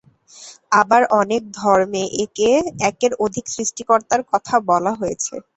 আবার অনেক ধর্মে একের অধিক সৃষ্টিকর্তার কথা বলা হয়েছে।